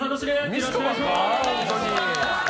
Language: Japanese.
よろしくお願いします。